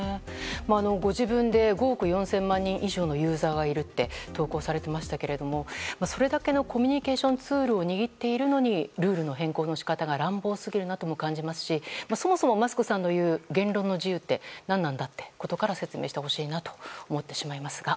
ご自分で５億４０００万人以上のユーザーがいると投稿されていますがそれだけのコミュニケーションツールを握っているのにルールの変更の仕方が乱暴すぎると感じますしそもそもマスクさんが言う言論の自由って何なんだってことから説明してほしいなと思ってしまいますが。